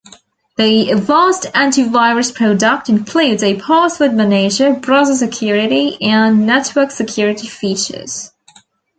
The Avast antivirus product includes a password manager, browser security, and network security features.